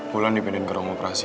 wulan dipindahin ke ruang operasi